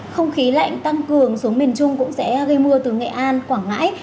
không khí lạnh tăng cường xuống miền trung cũng sẽ gây mưa từ nghệ an quảng ngãi